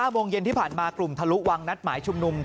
โมงเย็นที่ผ่านมากลุ่มทะลุวังนัดหมายชุมนุม